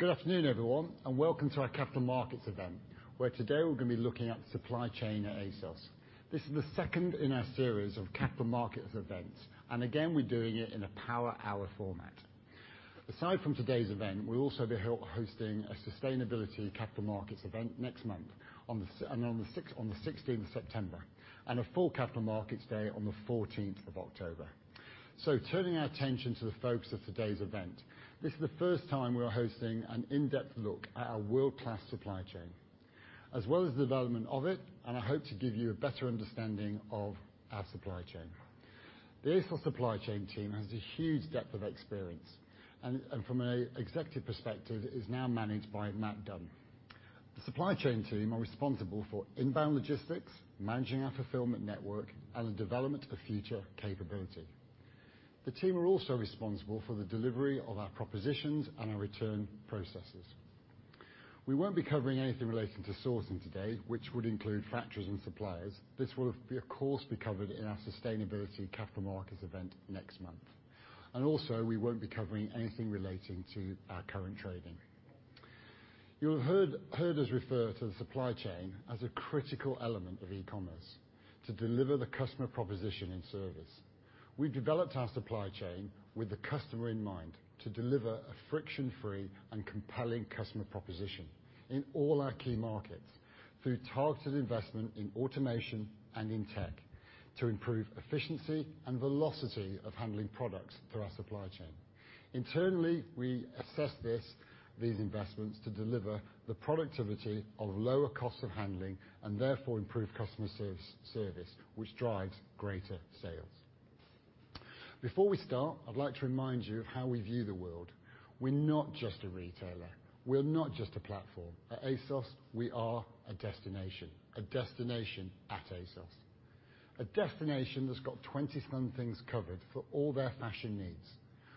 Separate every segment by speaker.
Speaker 1: Good afternoon, everyone, and welcome to our capital markets event, where today we're going to be looking at the supply chain at ASOS. This is the second in our series of capital markets events, and again, we're doing it in a power hour format. Aside from today's event, we'll also be hosting a sustainability capital markets event next month, on the 16th September. A full Capital Markets Day on the 14th October. Turning our attention to the focus of today's event. This is the first time we are hosting an in-depth look at our world-class supply chain, as well as the development of it, and I hope to give you a better understanding of our supply chain. The ASOS supply chain team has a huge depth of experience, and from an executive perspective, is now managed by Mat Dunn. The supply chain team are responsible for inbound logistics, managing our fulfillment network, and the development of future capability. The team are also responsible for the delivery of our propositions and our return processes. We won't be covering anything relating to sourcing today, which would include factories and suppliers. This will of course, be covered in our Sustainability Capital Markets Event next month. We won't be covering anything relating to our current trading. You'll have heard us refer to the supply chain as a critical element of e-commerce, to deliver the customer proposition and service. We've developed our supply chain with the customer in mind, to deliver a friction-free and compelling customer proposition in all our key markets, through targeted investment in automation and in tech, to improve efficiency and velocity of handling products through our supply chain. Internally, we assess these investments to deliver the productivity of lower cost of handling, and therefore, improve customer service, which drives greater sales. Before we start, I'd like to remind you of how we view the world. We're not just a retailer. We're not just a platform. At ASOS, we are a destination. A destination at ASOS. A destination that's got 20-something covered for all their fashion needs,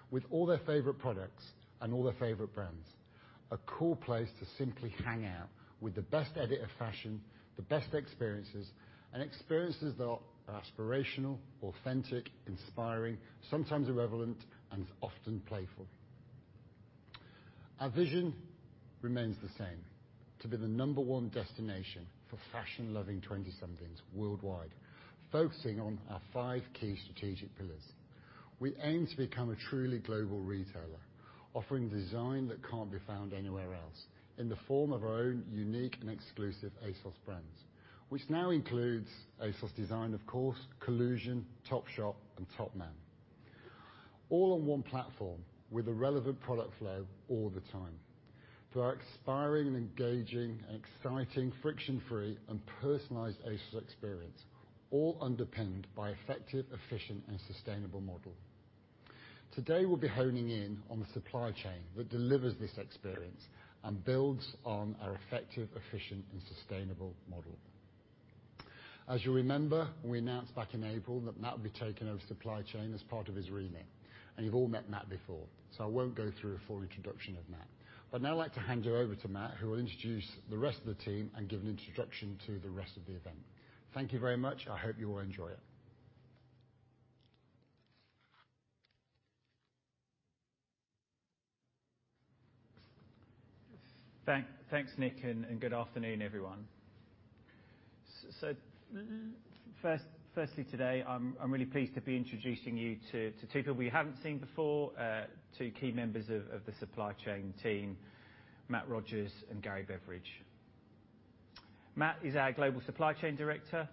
Speaker 1: with all their favorite products and all their favorite brands. A cool place to simply hang out with the best edit of fashion, the best experiences, and experiences that are aspirational, authentic, inspiring, sometimes irrelevant, and often playful. Our vision remains the same, to be the number one destination for fashion-loving 20-somethings worldwide, focusing on our five key strategic pillars. We aim to become a truly global retailer, offering design that can't be found anywhere else, in the form of our own unique and exclusive ASOS brands, which now includes ASOS Design, of course, Collusion, Topshop, and Topman. All on one platform, with a relevant product flow all the time. Through our inspiring and engaging and exciting, friction-free, and personalized ASOS experience, all underpinned by effective, efficient, and sustainable model. Today, we'll be honing in on the supply chain that delivers this experience and builds on our effective, efficient, and sustainable model. As you remember, we announced back in April that Mat would be taking over supply chain as part of his remit. You've all met Mat before, so I won't go through a full introduction of Mat. I'd now like to hand you over to Mat, who will introduce the rest of the team and give an introduction to the rest of the event. Thank you very much. I hope you all enjoy it.
Speaker 2: Thanks, Nick, good afternoon, everyone. Firstly today, I'm really pleased to be introducing you to two people we haven't seen before, two key members of the supply chain team, Matt Rogers and Gary Beveridge. Matt is our Global Supply Chain Director.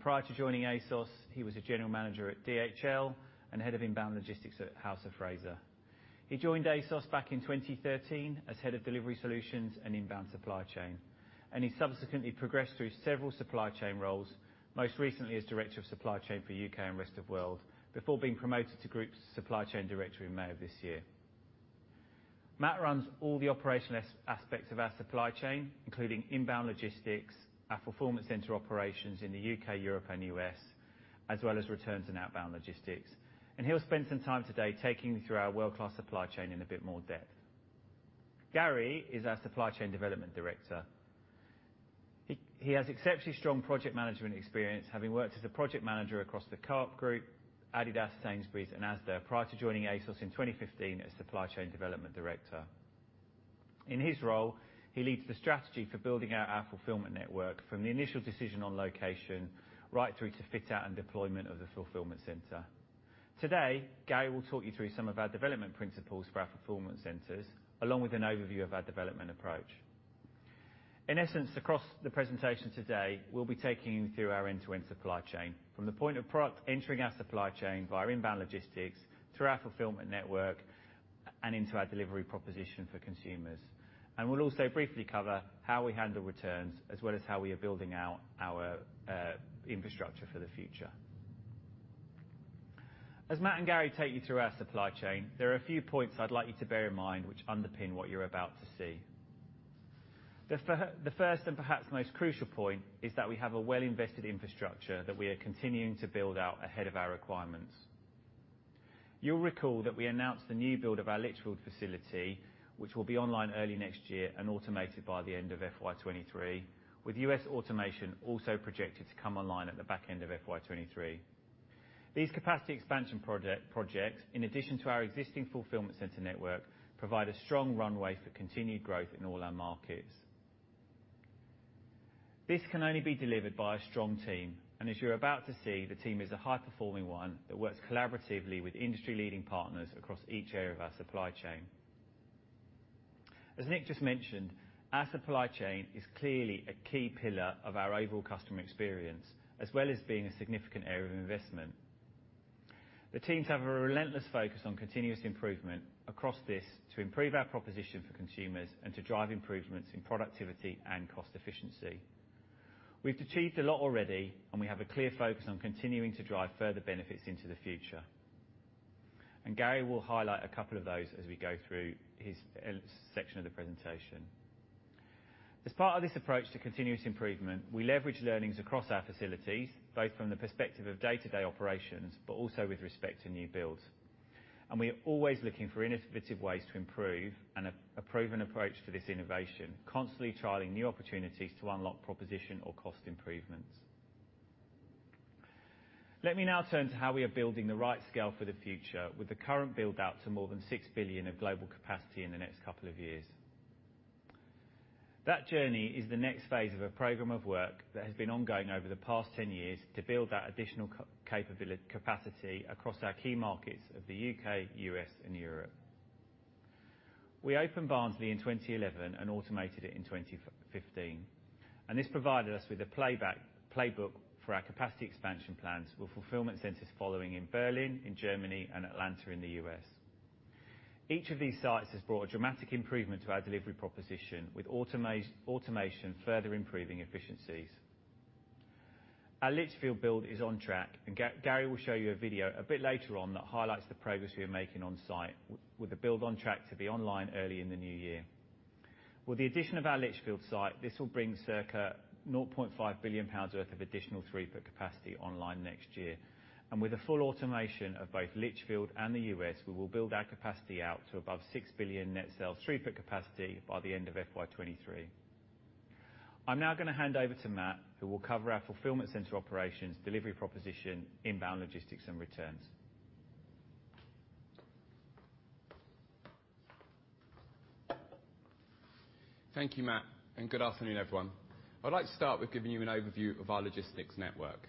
Speaker 2: Prior to joining ASOS, he was a General Manager at DHL and Head of Inbound Logistics at House of Fraser. He joined ASOS back in 2013 as Head of Delivery Solutions and Inbound Supply Chain. He subsequently progressed through several supply chain roles, most recently as Director of Supply Chain for U.K. and Rest of World, before being promoted to Group Supply Chain Director in May of this year. Matt runs all the operational aspects of our supply chain, including inbound logistics, our fulfillment center operations in the U.K., Europe, and U.S., as well as returns and outbound logistics. He'll spend some time today taking you through our world-class supply chain in a bit more depth. Gary is our Supply Chain Development Director. He has exceptionally strong project management experience, having worked as a project manager across the Co-op Group, adidas, Sainsbury's, and Asda, prior to joining ASOS in 2015 as Supply Chain Development Director. In his role, he leads the strategy for building out our fulfillment network from the initial decision on location, right through to fit-out and deployment of the fulfillment center. Today, Gary will talk you through some of our development principles for our fulfillment centers, along with an overview of our development approach. In essence, across the presentation today, we'll be taking you through our end-to-end supply chain, from the point of product entering our supply chain via inbound logistics, through our fulfillment network, and into our delivery proposition for consumers. We'll also briefly cover how we handle returns, as well as how we are building out our infrastructure for the future. As Matt and Gary take you through our supply chain, there are a few points I'd like you to bear in mind which underpin what you're about to see. The first and perhaps most crucial point is that we have a well-invested infrastructure that we are continuing to build out ahead of our requirements. You'll recall that we announced the new build of our Lichfield facility, which will be online early next year and automated by the end of FY 2023, with U.S. automation also projected to come online at the back end of FY 2023. These capacity expansion projects, in addition to our existing fulfillment center network, provide a strong runway for continued growth in all our markets. This can only be delivered by a strong team, and as you're about to see, the team is a high-performing one that works collaboratively with industry leading partners across each area of our supply chain. As Nick just mentioned, our supply chain is clearly a key pillar of our overall customer experience, as well as being a significant area of investment. The teams have a relentless focus on continuous improvement across this to improve our proposition for consumers and to drive improvements in productivity and cost efficiency. We've achieved a lot already, and we have a clear focus on continuing to drive further benefits into the future. Gary will highlight a couple of those as we go through his section of the presentation. As part of this approach to continuous improvement, we leverage learnings across our facilities, both from the perspective of day-to-day operations, but also with respect to new builds. We are always looking for innovative ways to improve and a proven approach to this innovation, constantly trialing new opportunities to unlock proposition or cost improvements. Let me now turn to how we are building the right scale for the future with the current build-out to more than 6 billion of global capacity in the next couple of years. That journey is the next phase of a program of work that has been ongoing over the past 10 years to build that additional capacity across our key markets of the U.K., U.S., and Europe. We opened Barnsley in 2011 and automated it in 2015. This provided us with a playbook for our capacity expansion plans, with fulfillment centers following in Berlin, in Germany, and Atlanta in the U.S. Each of these sites has brought a dramatic improvement to our delivery proposition, with automation further improving efficiencies. Our Lichfield build is on track. Gary will show you a video a bit later on that highlights the progress we are making on site, with the build on track to be online early in the new year. With the addition of our Lichfield site, this will bring circa 0.5 billion pounds worth of additional throughput capacity online next year. With the full automation of both Lichfield and the U.S., we will build our capacity out to above 6 billion net sales throughput capacity by the end of FY 2023. I'm now going to hand over to Matt, who will cover our fulfillment center operations, delivery proposition, inbound logistics, and returns.
Speaker 3: Thank you, Mat. Good afternoon, everyone. I'd like to start with giving you an overview of our logistics network.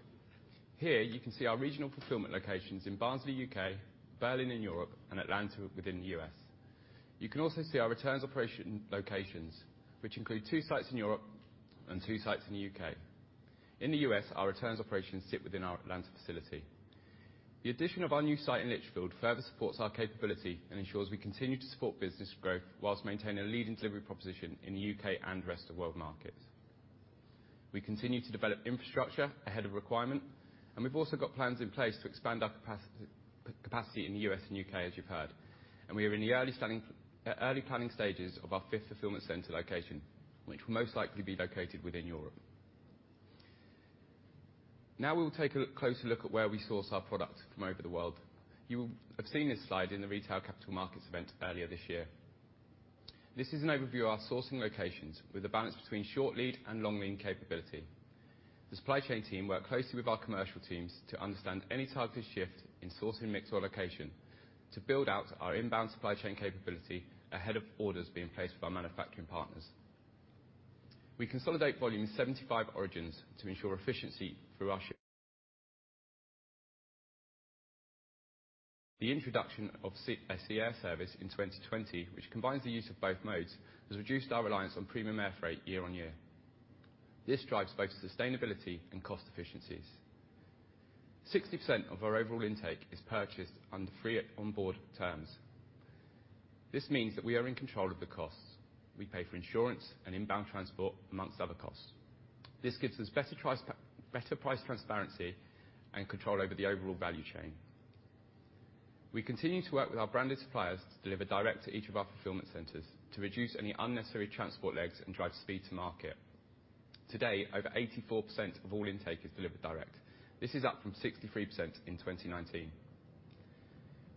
Speaker 3: Here, you can see our regional fulfillment locations in Barnsley, U.K., Berlin in Europe, and Atlanta within the U.S. You can also see our returns operation locations, which include two sites in Europe and two sites in the U.K. In the U.S., our returns operations sit within our Atlanta facility. The addition of our new site in Lichfield further supports our capability and ensures we continue to support business growth while maintaining a leading delivery proposition in the U.K. and rest of world markets. We continue to develop infrastructure ahead of requirement, and we've also got plans in place to expand our capacity in the U.S. and U.K., as you've heard, and we are in the early planning stages of our fifth fulfillment center location, which will most likely be located within Europe. Now we will take a closer look at where we source our product from over the world. You will have seen this slide in the retail capital markets event earlier this year. This is an overview of our sourcing locations with a balance between short lead and long lead capability. The supply chain team work closely with our commercial teams to understand any targeted shift in sourcing mix or location to build out our inbound supply chain capability ahead of orders being placed with our manufacturing partners. We consolidate volume in 75 origins to ensure efficiency through our ship. The introduction of a sea-air service in 2020, which combines the use of both modes, has reduced our reliance on premium air freight year on year. This drives both sustainability and cost efficiencies. 60% of our overall intake is purchased under Free on Board terms. This means that we are in control of the costs. We pay for insurance and inbound transport, amongst other costs. This gives us better price transparency and control over the overall value chain. We continue to work with our branded suppliers to deliver direct to each of our fulfillment centers to reduce any unnecessary transport legs and drive speed to market. Today, over 84% of all intake is delivered direct. This is up from 63% in 2019.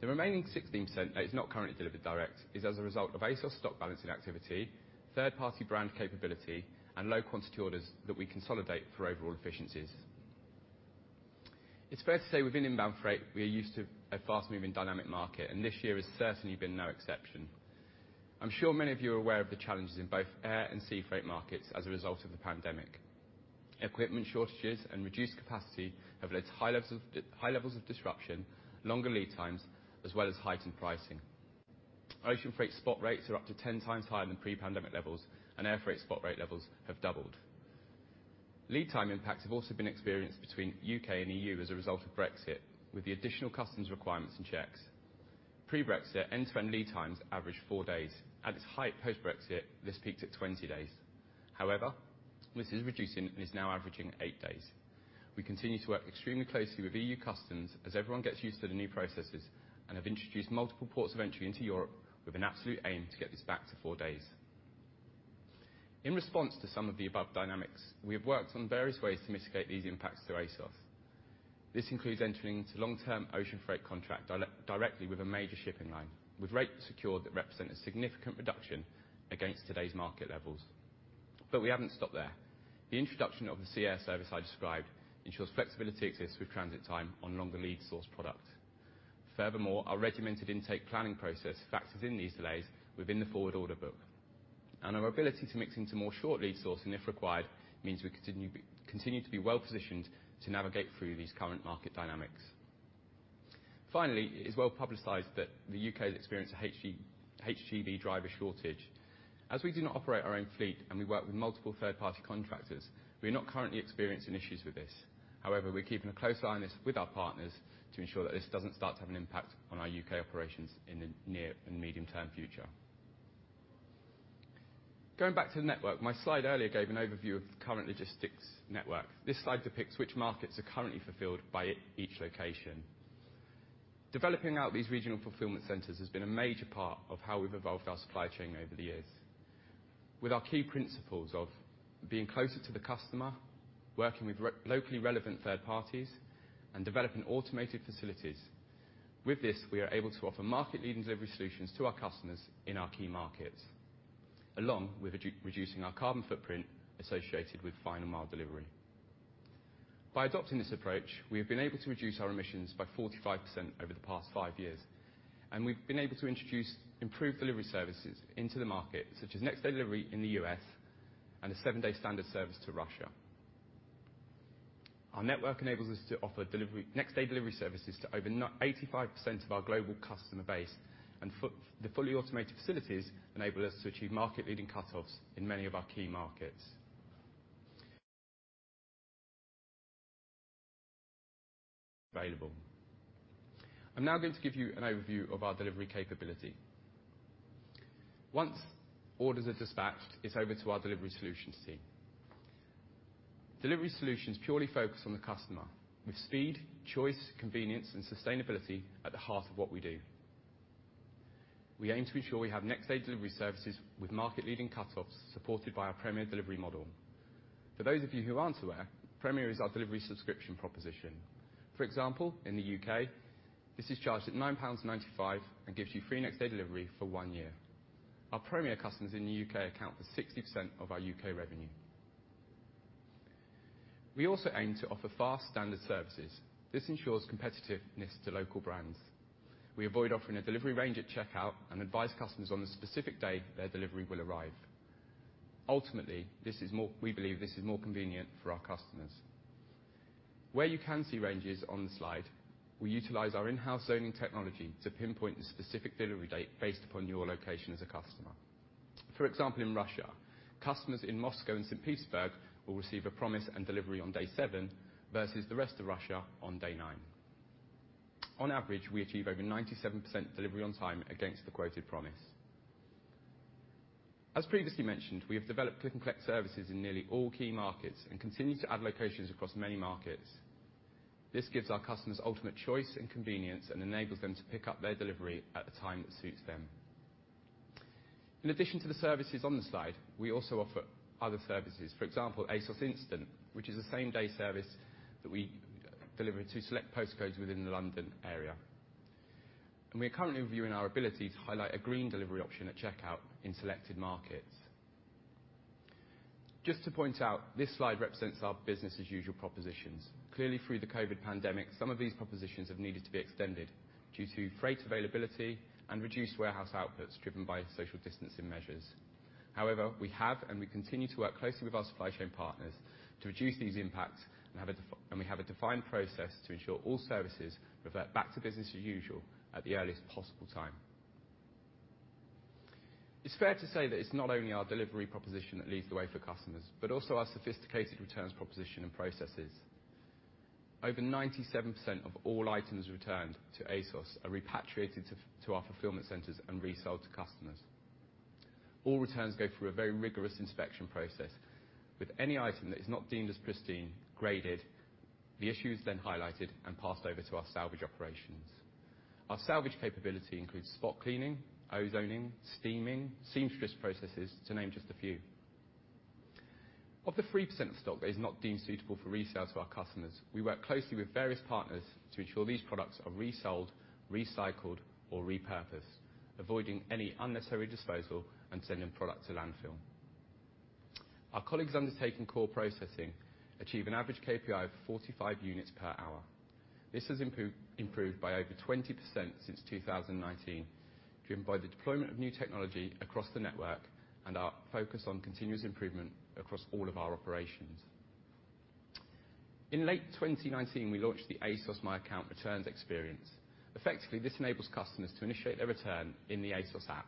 Speaker 3: The remaining 16% that is not currently delivered direct is as a result of ASOS stock balancing activity, third-party brand capability, and low quantity orders that we consolidate for overall efficiencies. It's fair to say, within inbound freight, we are used to a fast-moving dynamic market, and this year has certainly been no exception. I'm sure many of you are aware of the challenges in both air and sea freight markets as a result of the pandemic. Equipment shortages and reduced capacity have led to high levels of disruption, longer lead times, as well as heightened pricing. Ocean freight spot rates are up to 10 times higher than pre-pandemic levels, and air freight spot rate levels have doubled. Lead time impacts have also been experienced between U.K. and EU as a result of Brexit, with the additional customs requirements and checks. Pre-Brexit, end-to-end lead times averaged four days. At its height post-Brexit, this peaked at 20 days. This is reducing and is now averaging eight days. We continue to work extremely closely with EU customs as everyone gets used to the new processes and have introduced multiple ports of entry into Europe with an absolute aim to get this back to four days. In response to some of the above dynamics, we have worked on various ways to mitigate these impacts to ASOS. This includes entering into long-term ocean freight contract directly with a major shipping line, with rates secured that represent a significant reduction against today's market levels. We haven't stopped there. The introduction of the sea-air service I described ensures flexibility exists with transit time on longer lead source product. Furthermore, our regimented intake planning process factors in these delays within the forward order book. Our ability to mix into more short lead sourcing if required, means we continue to be well-positioned to navigate through these current market dynamics. Finally, it is well-publicized that the U.K. has experienced a HGV driver shortage. As we do not operate our own fleet and we work with multiple third-party contractors, we are not currently experiencing issues with this. However, we're keeping a close eye on this with our partners to ensure that this doesn't start to have an impact on our U.K. operations in the near and medium term future. Going back to the network, my slide earlier gave an overview of the current logistics network. This slide depicts which markets are currently fulfilled by each location. Developing out these regional fulfillment centers has been a major part of how we've evolved our supply chain over the years. With our key principles of being closer to the customer, working with locally relevant third parties, and developing automated facilities. With this, we are able to offer market-leading delivery solutions to our customers in our key markets, along with reducing our carbon footprint associated with final mile delivery. By adopting this approach, we have been able to reduce our emissions by 45% over the past five years, and we've been able to introduce improved delivery services into the market, such as next-day delivery in the U.S. and a seven-day standard service to Russia. Our network enables us to offer next-day delivery services to over 85% of our global customer base, and the fully automated facilities enable us to achieve market-leading cutoffs in many of our key markets. Available. I'm now going to give you an overview of our delivery capability. Once orders are dispatched, it's over to our delivery solutions team. Delivery solutions purely focus on the customer with speed, choice, convenience and sustainability at the heart of what we do. We aim to ensure we have next-day delivery services with market-leading cutoffs supported by our Premier delivery model. For those of you who aren't aware, Premier is our delivery subscription proposition. For example, in the U.K., this is charged at 9.95 pounds and gives you free next-day delivery for one year. Our Premier customers in the U.K. account for 60% of our U.K. revenue. We also aim to offer fast standard services. This ensures competitiveness to local brands. We avoid offering a delivery range at checkout and advise customers on the specific day their delivery will arrive. Ultimately, we believe this is more convenient for our customers. Where you can see ranges on the slide, we utilize our in-house zoning technology to pinpoint the specific delivery date based upon your location as a customer. For example, in Russia, customers in Moscow and St. Petersburg will receive a promise and delivery on day seven versus the rest of Russia on day nine. On average, we achieve over 97% delivery on time against the quoted promise. As previously mentioned, we have developed click and collect services in nearly all key markets and continue to add locations across many markets. This gives our customers ultimate choice and convenience and enables them to pick up their delivery at the time that suits them. In addition to the services on the slide, we also offer other services. For example, ASOS Instant, which is a same-day service that we deliver to select post codes within the London area. We are currently reviewing our ability to highlight a green delivery option at checkout in selected markets. Just to point out, this slide represents our business as usual propositions. Clearly, through the COVID pandemic, some of these propositions have needed to be extended due to freight availability and reduced warehouse outputs driven by social distancing measures. We have, and we continue to work closely with our supply chain partners to reduce these impacts, and we have a defined process to ensure all services revert back to business as usual at the earliest possible time. It's fair to say that it's not only our delivery proposition that leads the way for customers, but also our sophisticated returns proposition and processes. Over 97% of all items returned to ASOS are repatriated to our fulfillment centers and resold to customers. All returns go through a very rigorous inspection process with any item that is not deemed as pristine graded. The issue is then highlighted and passed over to our salvage operations. Our salvage capability includes spot cleaning, ozoning, steaming, seamstress processes, to name just a few. Of the 3% of stock that is not deemed suitable for resale to our customers, we work closely with various partners to ensure these products are resold, recycled or repurposed, avoiding any unnecessary disposal and sending product to landfill. Our colleagues undertaking core processing achieve an average KPI of 45 units per hour. This has improved by over 20% since 2019, driven by the deployment of new technology across the network and our focus on continuous improvement across all of our operations. In late 2019, we launched the ASOS My Account Returns experience. Effectively, this enables customers to initiate their return in the ASOS app.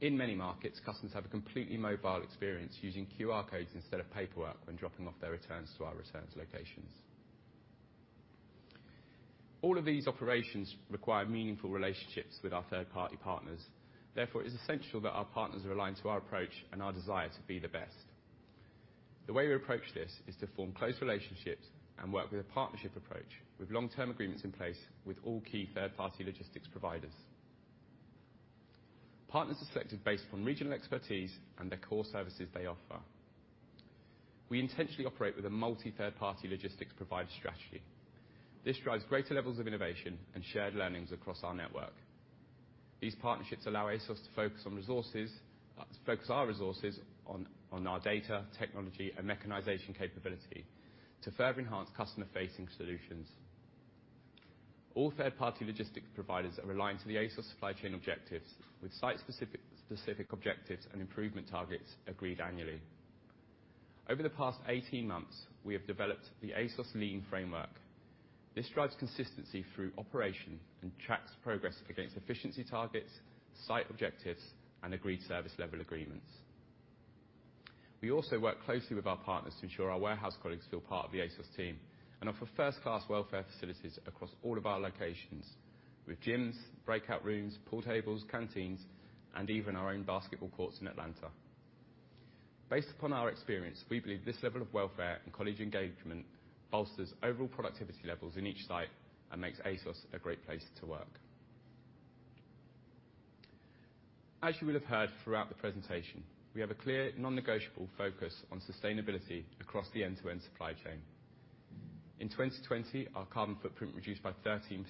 Speaker 3: In many markets, customers have a completely mobile experience using QR codes instead of paperwork when dropping off their returns to our returns locations. All of these operations require meaningful relationships with our third-party partners. Therefore, it is essential that our partners are aligned to our approach and our desire to be the best. The way we approach this is to form close relationships and work with a partnership approach with long-term agreements in place with all key third-party logistics providers. Partners are selected based on regional expertise and the core services they offer. We intentionally operate with a multi third-party logistics provider strategy. This drives greater levels of innovation and shared learnings across our network. These partnerships allow ASOS to focus our resources on our data, technology, and mechanization capability to further enhance customer-facing solutions. All third-party logistics providers are aligned to the ASOS supply chain objectives, with site-specific objectives and improvement targets agreed annually. Over the past 18 months, we have developed the ASOS Lean framework. This drives consistency through operation and tracks progress against efficiency targets, site objectives, and agreed service level agreements. We also work closely with our partners to ensure our warehouse colleagues feel part of the ASOS team and offer first-class welfare facilities across all of our locations, with gyms, breakout rooms, pool tables, canteens, and even our own basketball courts in Atlanta. Based upon our experience, we believe this level of welfare and colleague engagement bolsters overall productivity levels in each site and makes ASOS a great place to work. As you will have heard throughout the presentation, we have a clear non-negotiable focus on sustainability across the end-to-end supply chain. In 2020, our carbon footprint reduced by 13%,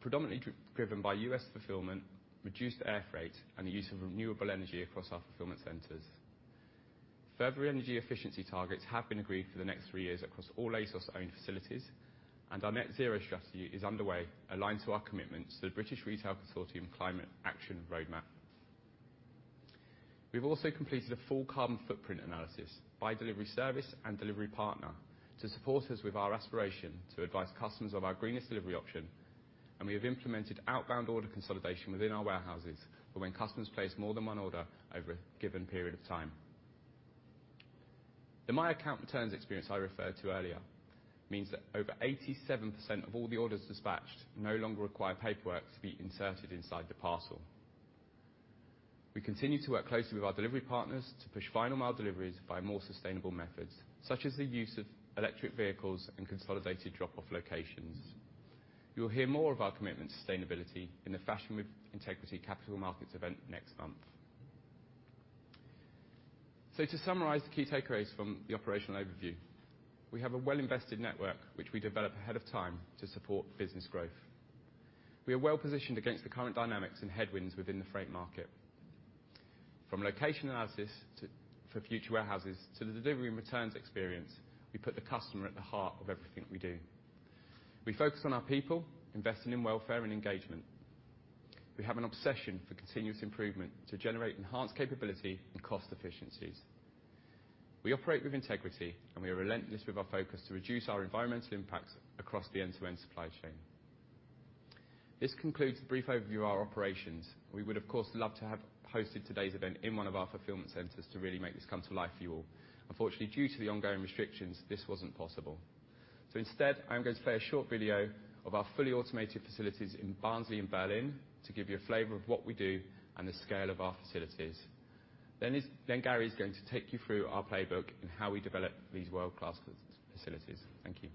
Speaker 3: predominantly driven by U.S. fulfillment, reduced air freight, and the use of renewable energy across our fulfillment centers. Further energy efficiency targets have been agreed for the next three years across all ASOS owned facilities. Our net zero strategy is underway, aligned to our commitments to the British Retail Consortium Climate Action Roadmap. We've also completed a full carbon footprint analysis by delivery service and delivery partner to support us with our aspiration to advise customers of our greenest delivery option. We have implemented outbound order consolidation within our warehouses for when customers place more than one order over a given period of time. The My Account Returns experience I referred to earlier means that over 87% of all the orders dispatched no longer require paperwork to be inserted inside the parcel. We continue to work closely with our delivery partners to push final mile deliveries via more sustainable methods, such as the use of electric vehicles and consolidated drop-off locations. You will hear more of our commitment to sustainability in the Fashion with Integrity Capital Markets event next month. To summarize the key takeaways from the operational overview, we have a well-invested network which we develop ahead of time to support business growth. We are well positioned against the current dynamics and headwinds within the freight market. From location analysis for future warehouses to the delivery and returns experience, we put the customer at the heart of everything we do. We focus on our people, investing in welfare and engagement. We have an obsession for continuous improvement to generate enhanced capability and cost efficiencies. We operate with integrity, and we are relentless with our focus to reduce our environmental impacts across the end-to-end supply chain. This concludes the brief overview of our operations. We would, of course, love to have hosted today's event in one of our fulfillment centers to really make this come to life for you all. Unfortunately, due to the ongoing restrictions, this wasn't possible. Instead, I'm going to play a short video of our fully automated facilities in Barnsley and Berlin to give you a flavor of what we do and the scale of our facilities. Gary is going to take you through our playbook and how we develop these world-class facilities. Thank you.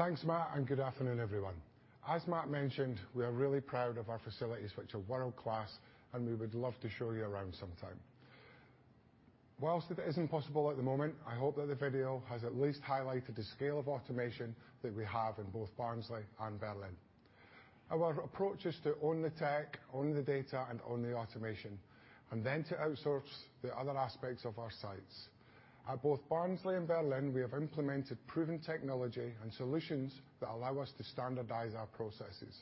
Speaker 4: Thanks, Matt, and good afternoon, everyone. As Matt mentioned, we are really proud of our facilities, which are world-class, and we would love to show you around sometime. While it isn't possible at the moment, I hope that the video has at least highlighted the scale of automation that we have in both Barnsley and Berlin. Our approach is to own the tech, own the data, and own the automation, and then to outsource the other aspects of our sites. At both Barnsley and Berlin, we have implemented proven technology and solutions that allow us to standardize our processes.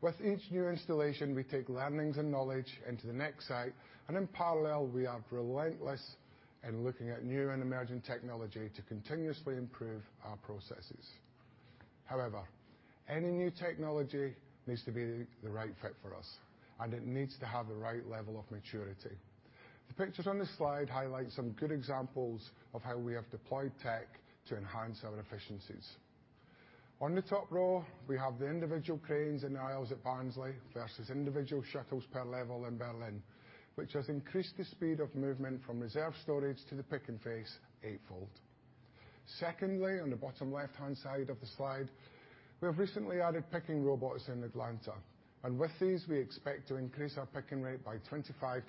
Speaker 4: With each new installation, we take learnings and knowledge into the next site, and in parallel, we are relentless in looking at new and emerging technology to continuously improve our processes. However, any new technology needs to be the right fit for us, and it needs to have the right level of maturity. The pictures on this slide highlight some good examples of how we have deployed tech to enhance our efficiencies. On the top row, we have the individual cranes and the aisles at Barnsley versus individual shuttles per level in Berlin, which has increased the speed of movement from reserve storage to the pick and face eight-fold. Secondly, on the bottom left-hand side of the slide, we have recently added picking robots in Atlanta, and with these we expect to increase our picking rate by 25%-30%.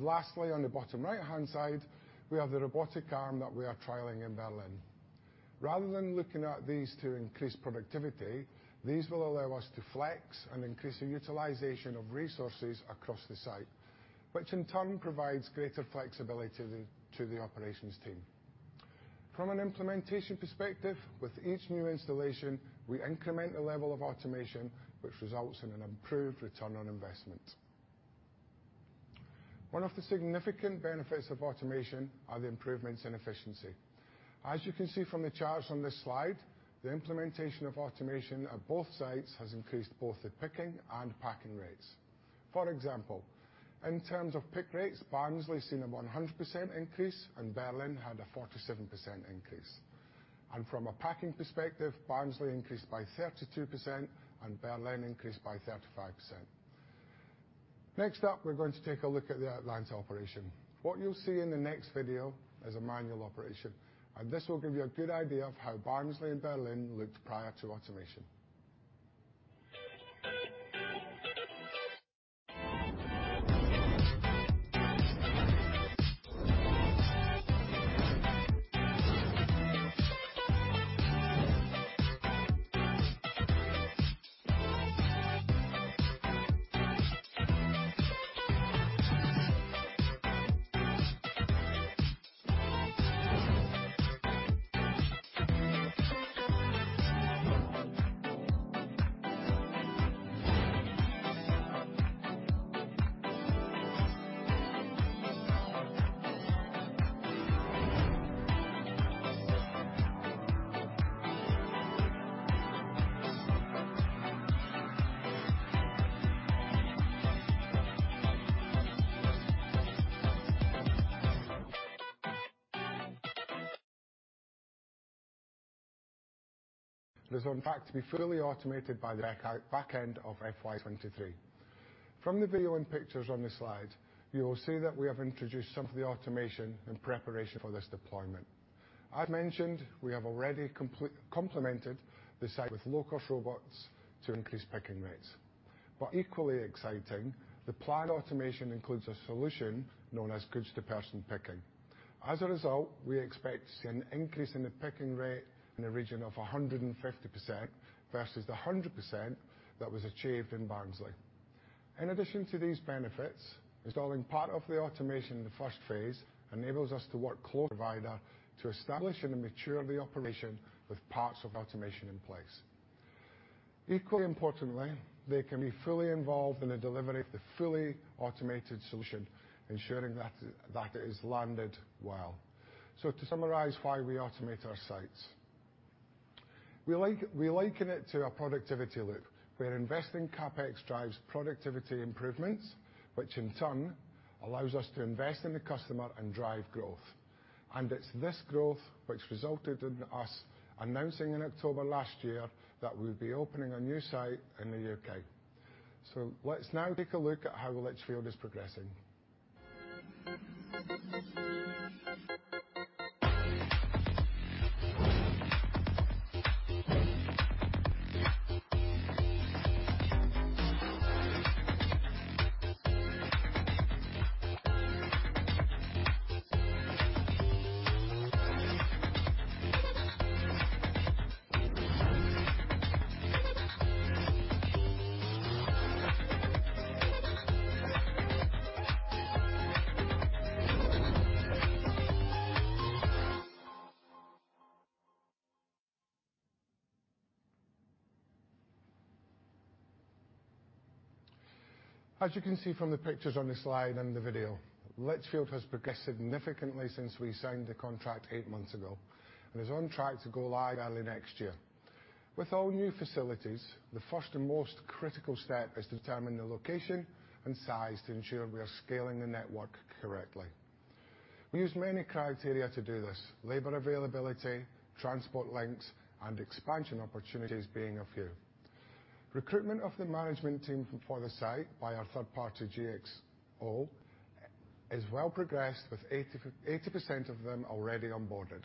Speaker 4: Lastly, on the bottom right-hand side, we have the robotic arm that we are trialing in Berlin. Rather than looking at these to increase productivity, these will allow us to flex and increase the utilization of resources across the site, which in turn provides greater flexibility to the operations team. From an implementation perspective, with each new installation, we increment the level of automation, which results in an improved return on investment. One of the significant benefits of automation are the improvements in efficiency. As you can see from the charts on this slide, the implementation of automation at both sites has increased both the picking and packing rates. For example, in terms of pick rates, Barnsley has seen a 100% increase and Berlin had a 47% increase. From a packing perspective, Barnsley increased by 32% and Berlin increased by 35%. Next up, we're going to take a look at the Atlanta operation. What you'll see in the next video is a manual operation, and this will give you a good idea of how Barnsley and Berlin looked prior to automation. It is on track to be fully automated by the back end of FY 2023. From the video and pictures on this slide, you will see that we have introduced some of the automation in preparation for this deployment. I've mentioned we have already complemented the site with low-cost robots to increase picking rates. Equally exciting, the planned automation includes a solution known as goods-to-person picking. As a result, we expect to see an increase in the picking rate in the region of 150% versus the 100% that was achieved in Barnsley. In addition to these benefits, installing part of the automation in the first phase enables us to work closely with the provider to establish and mature the operation with parts of automation in place. Equally importantly, they can be fully involved in the delivery of the fully automated solution, ensuring that it is landed well. To summarize why we automate our sites. We liken it to a productivity loop where investing CapEx drives productivity improvements, which in turn allows us to invest in the customer and drive growth. It's this growth which resulted in us announcing in October last year that we would be opening a new site in the U.K. Let's now take a look at how Lichfield is progressing. As you can see from the pictures on this slide and the video, Lichfield has progressed significantly since we signed the contract eight months ago and is on track to go live early next year. With all new facilities, the first and most critical step is to determine the location and size to ensure we are scaling the network correctly. We use many criteria to do this, labor availability, transport links, and expansion opportunities being a few. Recruitment of the management team for the site by our third party, GXO, is well progressed with 80% of them already onboarded.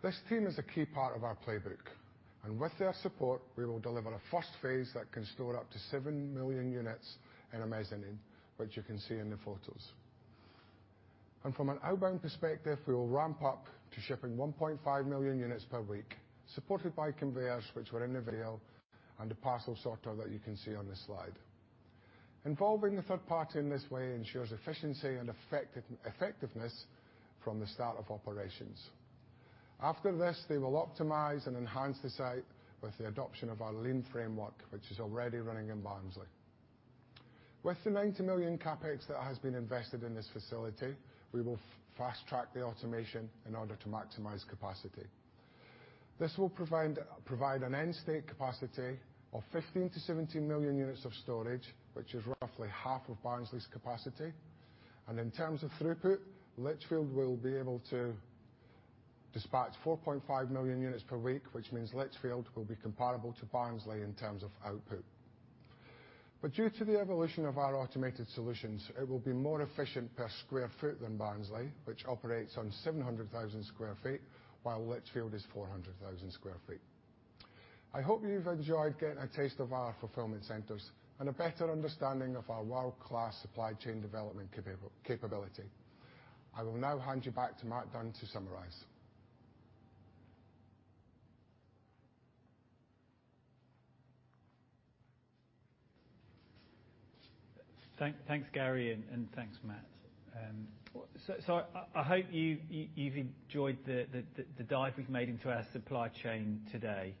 Speaker 4: This team is a key part of our playbook, and with their support, we will deliver a first phase that can store up to 7 million units in a mezzanine, which you can see in the photos. From an outbound perspective, we will ramp up to shipping 1.5 million units per week, supported by conveyors, which were in the video, and a parcel sorter that you can see on this slide. Involving the third party in this way ensures efficiency and effectiveness from the start of operations. After this, they will optimize and enhance the site with the adoption of our ASOS Lean framework, which is already running in Barnsley. With the 90 million CapEx that has been invested in this facility, we will fast-track the automation in order to maximize capacity. This will provide an end state capacity of 15 million-17 million units of storage, which is roughly half of Barnsley's capacity. In terms of throughput, Lichfield will be able to dispatch 4.5 million units per week, which means Lichfield will be comparable to Barnsley in terms of output. Due to the evolution of our automated solutions, it will be more efficient per square foot than Barnsley, which operates on 700,000 sq ft, while Lichfield is 400,000 sq ft. I hope you've enjoyed getting a taste of our fulfillment centers and a better understanding of our world-class supply chain development capability. I will now hand you back to Mat Dunn to summarize.
Speaker 2: Thanks, Gary, and thanks, Matt. I hope you've enjoyed the dive we've made into our supply chain today.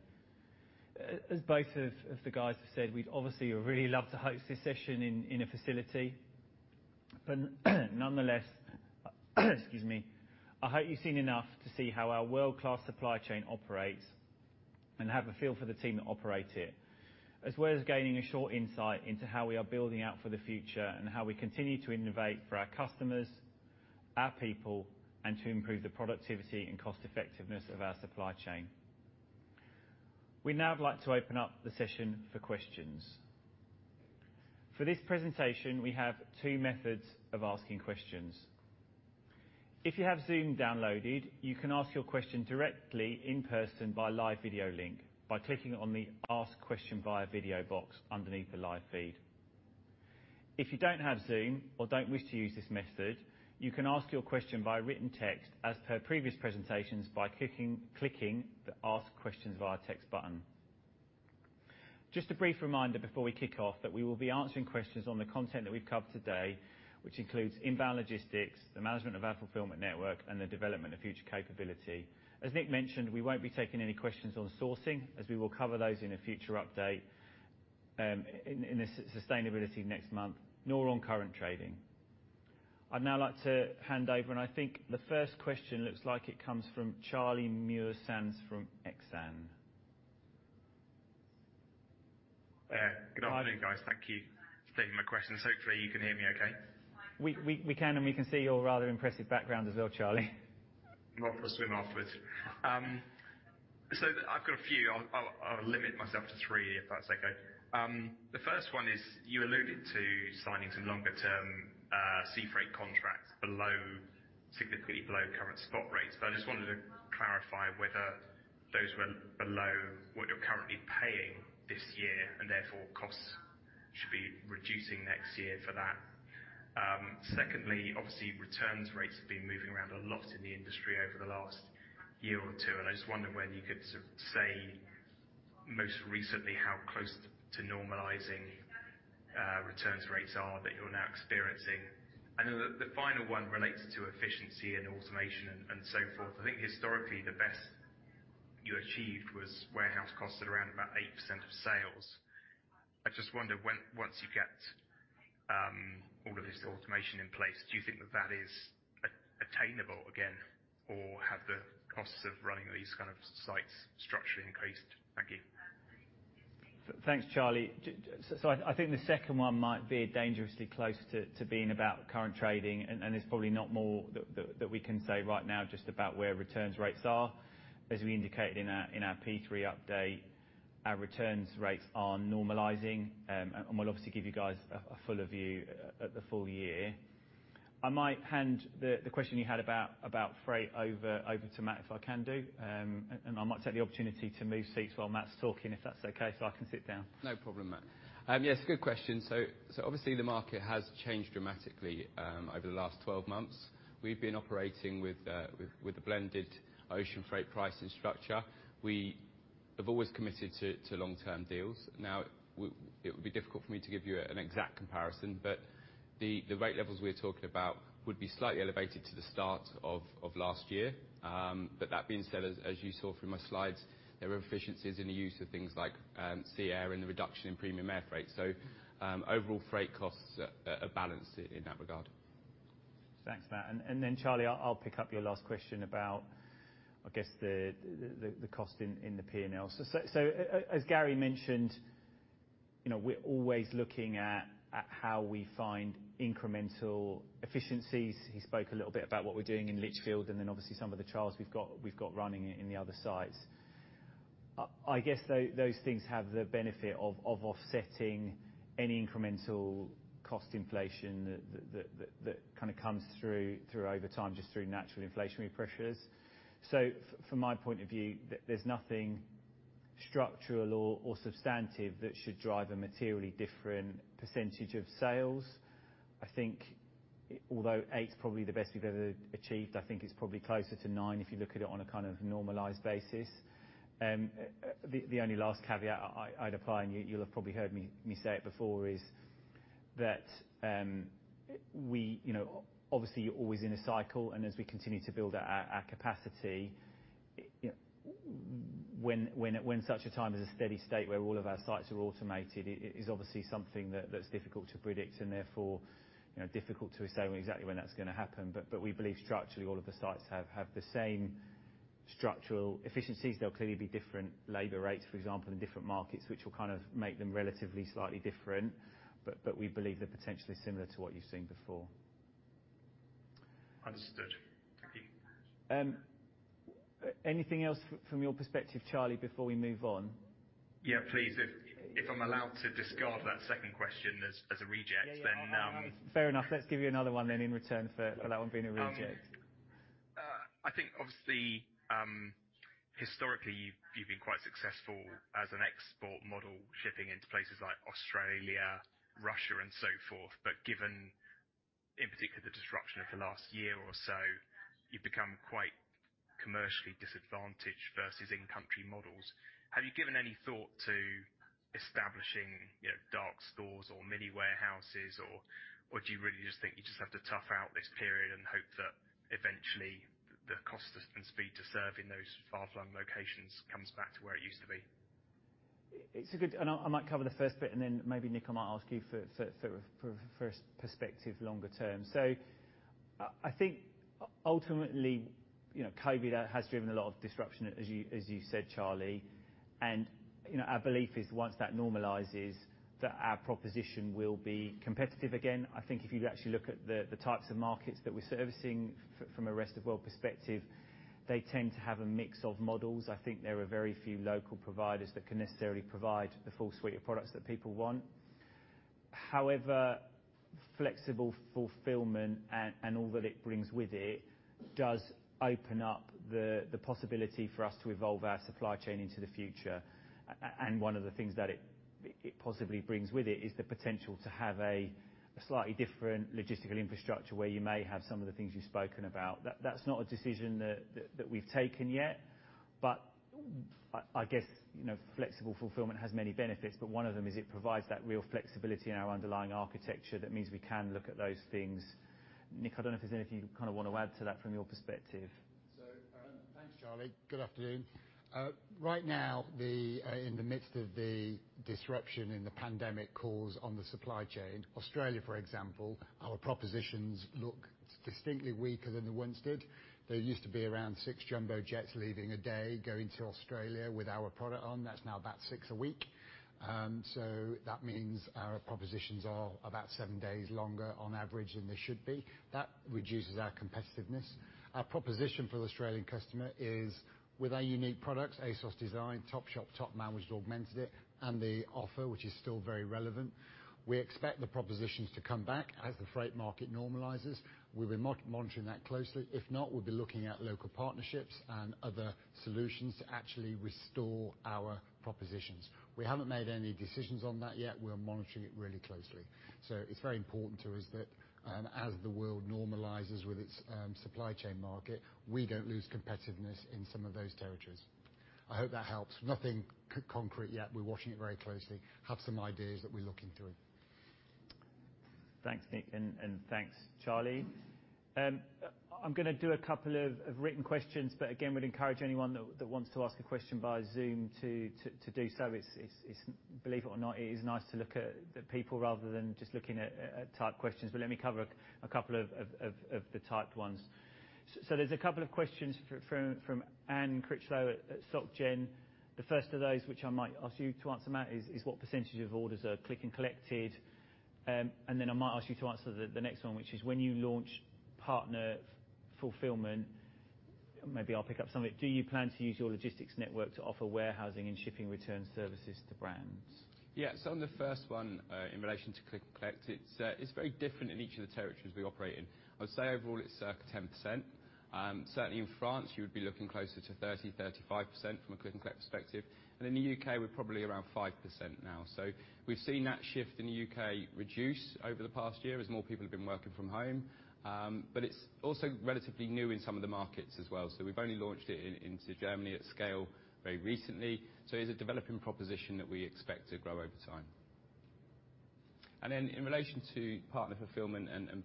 Speaker 2: As both of the guys have said, we'd obviously really love to host this session in a facility, but nonetheless, I hope you've seen enough to see how our world-class supply chain operates and have a feel for the team that operate it, as well as gaining a short insight into how we are building out for the future and how we continue to innovate for our customers, our people, and to improve the productivity and cost effectiveness of our supply chain. We'd now like to open up the session for questions. For this presentation, we have two methods of asking questions. If you have Zoom downloaded, you can ask your question directly in person by live video link by clicking on the Ask Question via Video box underneath the live feed. If you don't have Zoom or don't wish to use this method, you can ask your question by written text as per previous presentations by clicking the Ask Questions via Text button. Just a brief reminder before we kick off that we will be answering questions on the content that we've covered today, which includes inbound logistics, the management of our fulfillment network, and the development of future capability. As Nick mentioned, we won't be taking any questions on sourcing, as we will cover those in a future update in sustainability next month, nor on current trading. I'd now like to hand over, and I think the first question looks like it comes from Charlie Muir-Sands from Exane.
Speaker 5: Good afternoon, guys. Thank you for taking my questions. Hopefully, you can hear me okay.
Speaker 2: We can, and we can see your rather impressive background as well, Charlie.
Speaker 5: Not for swim afterwards. I've got a few. I'll limit myself to three, if that's okay. The first one is, you alluded to signing some longer term sea freight contracts significantly below current spot rates. I just wanted to clarify whether those were below what you're currently paying this year, and therefore costs should be reducing next year for that. Secondly, obviously, returns rates have been moving around a lot in the industry over the last year or two, and I just wondered whether you could say most recently how close to normalizing returns rates are that you're now experiencing. The final one relates to efficiency and automation and so forth. I think historically the best you achieved was warehouse costs at around about 8% of sales. I just wonder once you get all of this automation in place, do you think that that is attainable again? Have the costs of running these kind of sites structurally increased? Thank you.
Speaker 2: Thanks, Charlie. I think the second one might be dangerously close to being about current trading, and there's probably not more that we can say right now just about where returns rates are. As we indicated in our P3 update, our returns rates are normalizing, and we'll obviously give you guys a fuller view at the full year. I might hand the question you had about freight over to Matt, if I can do, and I might take the opportunity to move seats while Matt's talking, if that's okay, so I can sit down.
Speaker 3: No problem, Mat. Yes, good question. Obviously the market has changed dramatically over the last 12 months. We've been operating with a blended ocean freight pricing structure. We have always committed to long-term deals. It would be difficult for me to give you an exact comparison, but the rate levels we're talking about would be slightly elevated to the start of last year. That being said, as you saw from my slides, there are efficiencies in the use of things like sea-air, and the reduction in premium air freight. Overall freight costs are balanced in that regard.
Speaker 2: Thanks, Matt. Charlie Muir-Sands, I'll pick up your last question about, I guess, the cost in the P&L. As Gary Beveridge mentioned, we're always looking at how we find incremental efficiencies. He spoke a little bit about what we're doing in Lichfield and then obviously some of the trials we've got running in the other sites. I guess those things have the benefit of offsetting any incremental cost inflation that comes through over time, just through natural inflationary pressures. From my point of view, there's nothing structural or substantive that should drive a materially different percentage of sales. I think although 8%'s probably the best we've ever achieved, I think it's probably closer to 9%, if you look at it on a normalized basis. The only last caveat I'd apply, and you'll have probably heard me say it before, is that obviously you're always in a cycle and as we continue to build our capacity, when such a time as a steady state where all of our sites are automated, is obviously something that's difficult to predict and therefore, difficult to say when exactly when that's going to happen. We believe structurally, all of the sites have had the same structural efficiencies. There'll clearly be different labor rates, for example, in different markets, which will make them relatively slightly different. We believe they're potentially similar to what you've seen before.
Speaker 5: Understood. Thank you.
Speaker 2: Anything else from your perspective, Charlie, before we move on?
Speaker 5: Yeah, please. If I'm allowed to discard that second question as a reject.
Speaker 2: Yeah, fair enough. Let's give you another one then in return for that one being a reject.
Speaker 5: I think obviously, historically, you've been quite successful as an export model shipping into places like Australia, Russia and so forth. Given, in particular, the disruption of the last year or so, you've become quite commercially disadvantaged versus in-country models. Have you given any thought to establishing dark stores or mini warehouses? Do you really just think you just have to tough out this period and hope that eventually the cost and speed to serve in those far-flung locations comes back to where it used to be?
Speaker 2: I might cover the first bit and then maybe Nick, I might ask you for a perspective longer term. I think ultimately, COVID has driven a lot of disruption, as you said, Charlie. Our belief is once that normalizes, that our proposition will be competitive again. I think if you actually look at the types of markets that we're servicing from a rest of world perspective, they tend to have a mix of models. I think there are very few local providers that can necessarily provide the full suite of products that people want. However, flexible fulfillment and all that it brings with it, does open up the possibility for us to evolve our supply chain into the future. One of the things that it possibly brings with it, is the potential to have a slightly different logistical infrastructure where you may have some of the things you've spoken about. That's not a decision that we've taken yet, but I guess, flexible fulfillment has many benefits, but one of them is it provides that real flexibility in our underlying architecture that means we can look at those things. Nick, I don't know if there's anything you want to add to that from your perspective.
Speaker 1: Thanks, Charlie. Good afternoon. Right now, in the midst of the disruption in the pandemic calls on the supply chain, Australia, for example, our propositions look distinctly weaker than they once did. There used to be around six jumbo jets leaving a day, going to Australia with our product on, that's now about six a week. That means our propositions are about seven days longer on average than they should be. That reduces our competitiveness. Our proposition for the Australian customer is, with our unique products, ASOS Design, Topshop, Topman, which augmented it, and the offer, which is still very relevant, we expect the propositions to come back as the freight market normalizes. We'll be monitoring that closely. If not, we'll be looking at local partnerships and other solutions to actually restore our propositions. We haven't made any decisions on that yet. We're monitoring it really closely. It's very important to us that, as the world normalizes with its supply chain market, we don't lose competitiveness in some of those territories. I hope that helps. Nothing concrete yet. We're watching it very closely. We have some ideas that we're looking through.
Speaker 2: Thanks, Nick. Thanks, Charlie. I'm going to do a couple of written questions, but again, would encourage anyone that wants to ask a question via Zoom to do so. Believe it or not, it is nice to look at the people rather than just looking at typed questions. Let me cover a couple of the typed ones. There's a couple of questions from Anne Critchlow at Société Générale. The first of those, which I might ask you to answer, Matt, is what percentage of orders are click and collected? Then I might ask you to answer the next one, which is when you launch partner fulfillment, maybe I'll pick up some of it, do you plan to use your logistics network to offer warehousing and shipping return services to brands?
Speaker 3: Yeah. On the first one, in relation to click and collect, it's very different in each of the territories we operate in. I would say overall it's circa 10%. Certainly in France, you would be looking closer to 30%-35% from a click and collect perspective. In the U.K., we're probably around 5% now. We've seen that shift in the U.K. reduce over the past year as more people have been working from home. It's also relatively new in some of the markets as well. We've only launched it into Germany at scale very recently. It's a developing proposition that we expect to grow over time. In relation to partner fulfillment and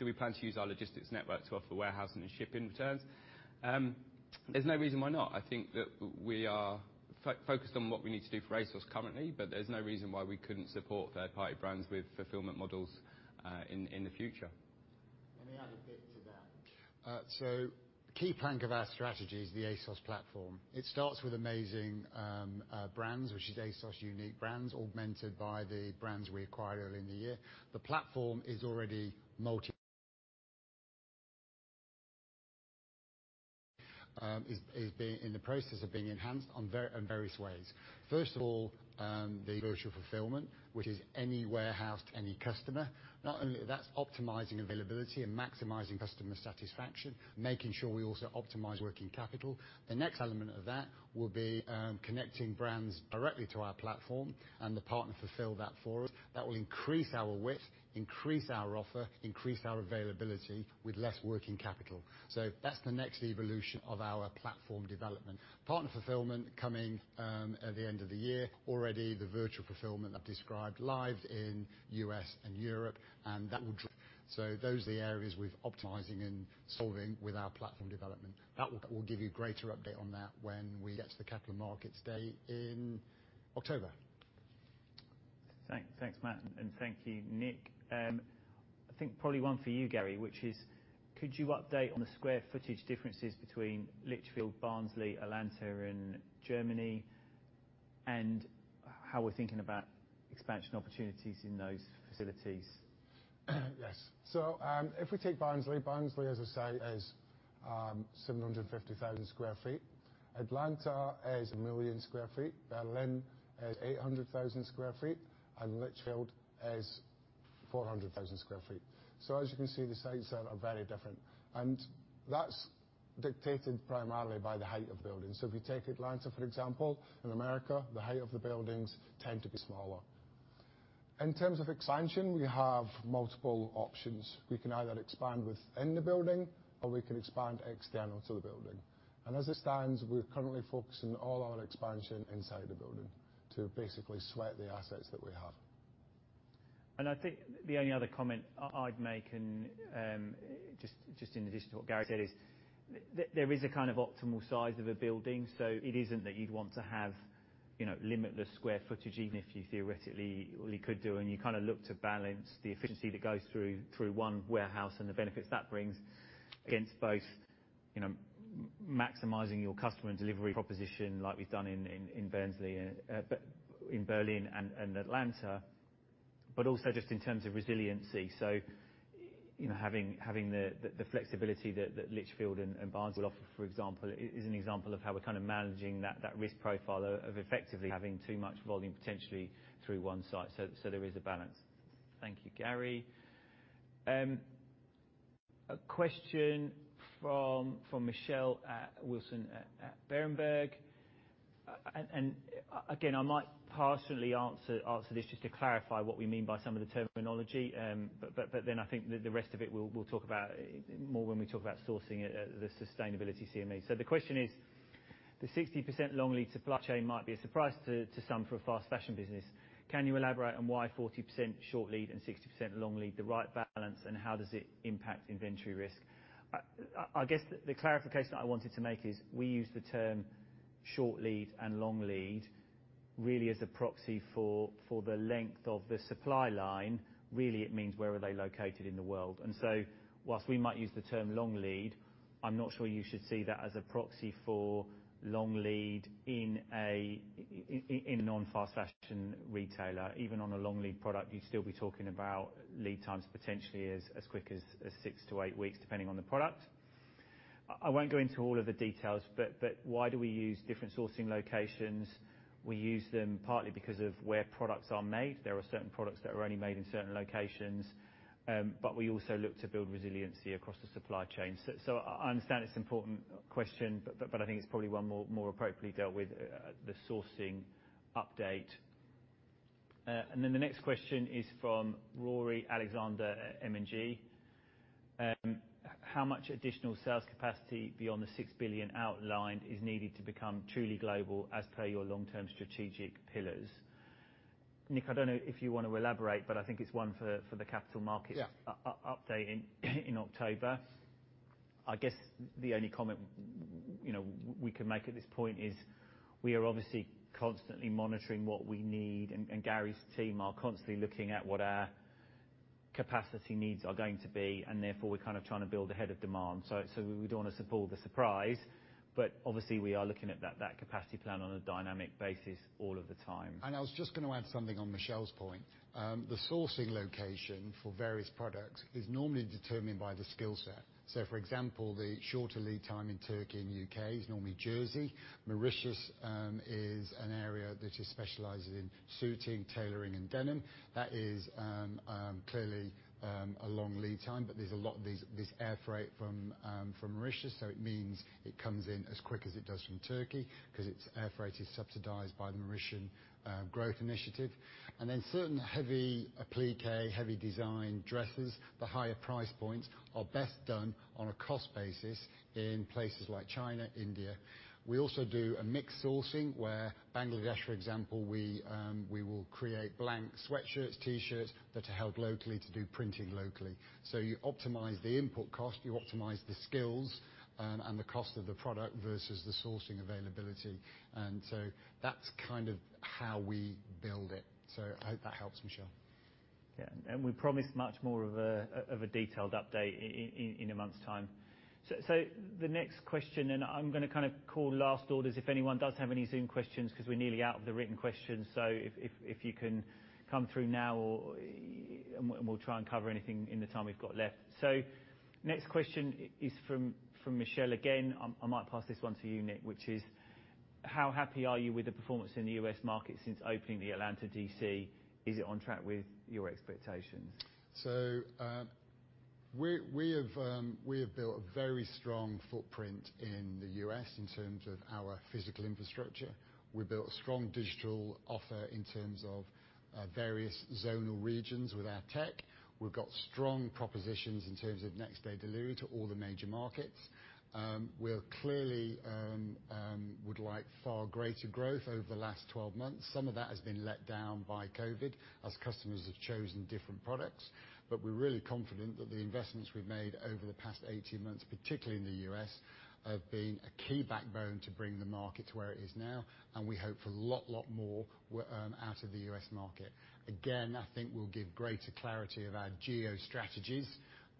Speaker 3: do we plan to use our logistics network to offer warehousing and shipping returns? There's no reason why not. I think that we are focused on what we need to do for ASOS currently, but there's no reason why we couldn't support third-party brands with fulfillment models, in the future.
Speaker 1: Let me add a bit to that. Key plank of our strategy is the ASOS platform. It starts with amazing brands, which is ASOS unique brands, augmented by the brands we acquired earlier in the year. The platform is already in the process of being enhanced in various ways. First of all, the virtual fulfillment, which is any warehouse to any customer. Not only that's optimizing availability and maximizing customer satisfaction, making sure we also optimize working capital. The next element of that will be connecting brands directly to our platform and the partner fulfill that for us. That will increase our width, increase our offer, increase our availability with less working capital. That's the next evolution of our platform development. Partner fulfillment coming at the end of the year. Already the virtual fulfillment I've described live in U.S. and Europe, and that will drive. Those are the areas we're optimizing and solving with our platform development. We'll give you greater update on that when we get to the Capital Markets Day in October.
Speaker 2: Thanks, Matt, and thank you, Nick. I think probably one for you, Gary, which is, could you update on the square footage differences between Lichfield, Barnsley, Atlanta, and Germany, and how we're thinking about expansion opportunities in those facilities?
Speaker 4: Yes. If we take Barnsley, as I say, is 750,000 sq ft. Atlanta is 1 million sq ft. Berlin is 800,000 sq ft, and Lichfield is 400,000 sq ft. As you can see, the sizes are very different. That's dictated primarily by the height of buildings. If you take Atlanta, for example, in America, the height of the buildings tend to be smaller. In terms of expansion, we have multiple options. We can either expand within the building or we can expand external to the building. As it stands, we're currently focusing all our expansion inside the building to basically sweat the assets that we have.
Speaker 2: I think the only other comment I'd make and just in addition to what Gary said, is there is a kind of optimal size of a building. It isn't that you'd want to have limitless square footage, even if you theoretically could do, and you kind of look to balance the efficiency that goes through one warehouse and the benefits that brings against both maximizing your customer and delivery proposition like we've done in Berlin and Atlanta. Also just in terms of resiliency. Having the flexibility that Lichfield and Barnsley offer, for example, is an example of how we're kind of managing that risk profile of effectively having too much volume potentially through one site. There is a balance. Thank you, Gary. A question from Michelle Wilson at Berenberg. Again, I might partially answer this just to clarify what we mean by some of the terminology. I think the rest of it we'll talk about more when we talk about sourcing at the sustainability CME. The question is, the 60% long lead supply chain might be a surprise to some for a fast fashion business. Can you elaborate on why 40% short lead and 60% long lead the right balance, and how does it impact inventory risk? I guess the clarification I wanted to make is, we use the term short lead and long lead really as a proxy for the length of the supply line. Really, it means where are they located in the world. Whilst we might use the term long lead, I'm not sure you should see that as a proxy for long lead in a non-fast fashion retailer. Even on a long lead product, you'd still be talking about lead times potentially as quick as six to eight weeks, depending on the product. I won't go into all of the details. Why do we use different sourcing locations? We use them partly because of where products are made. There are certain products that are only made in certain locations. We also look to build resiliency across the supply chain. I understand it's an important question, but I think it's probably one more appropriately dealt with at the sourcing update. The next question is from Rory Alexander at M&G. How much additional sales capacity beyond the 6 billion outlined is needed to become truly global as per your long-term strategic pillars? Nick, I don't know if you want to elaborate, but I think it's one for the capital markets.
Speaker 1: Yeah.
Speaker 2: Update in October. I guess the only comment we can make at this point is we are obviously constantly monitoring what we need, and Gary's team are constantly looking at what our capacity needs are going to be, and therefore, we're kind of trying to build ahead of demand. We don't want to spoil the surprise, but obviously, we are looking at that capacity plan on a dynamic basis all of the time.
Speaker 1: I was just going to add something on Michelle's point. The sourcing location for various products is normally determined by the skill set. For example, the shorter lead time in Turkey and U.K. is normally jersey. Mauritius is an area that just specializes in suiting, tailoring, and denim. That is clearly a long lead time, but there's air freight from Mauritius, so it means it comes in as quick as it does from Turkey because its air freight is subsidized by the Mauritian Growth Initiative. Certain heavy appliqué, heavy design dresses, the higher price points are best done on a cost basis in places like China, India. We also do a mixed sourcing where Bangladesh, for example, we will create blank sweatshirts, T-shirts that are held locally to do printing locally. You optimize the input cost, you optimize the skills and the cost of the product versus the sourcing availability. That's kind of how we build it. I hope that helps, Michelle.
Speaker 2: Yeah, we promise much more of a detailed update in a month's time. The next question, and I'm going to call last orders if anyone does have any Zoom questions, because we're nearly out of the written questions. If you can come through now and we'll try and cover anything in the time we've got left. Next question is from Michelle. Again, I might pass this one to you, Nick, which is, "How happy are you with the performance in the U.S. market since opening the Atlanta D.C.? Is it on track with your expectations?
Speaker 1: We have built a very strong footprint in the U.S. in terms of our physical infrastructure. We built a strong digital offer in terms of various zonal regions with our tech. We've got strong propositions in terms of next-day delivery to all the major markets. We clearly would like far greater growth over the last 12 months. Some of that has been let down by COVID, as customers have chosen different products. We're really confident that the investments we've made over the past 18 months, particularly in the U.S., have been a key backbone to bring the market to where it is now, and we hope for a lot more out of the U.S. market. Again, I think we'll give greater clarity of our geo strategies